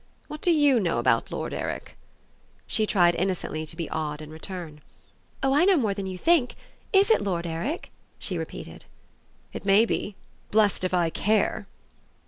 "What do you know about Lord Eric?" She tried innocently to be odd in return. "Oh I know more than you think! Is it Lord Eric?" she repeated. "It maybe. Blest if I care!"